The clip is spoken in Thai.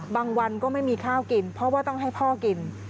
บางวันก็ไม่มีข้าวกินเพราะว่าต้องให้พ่อกิน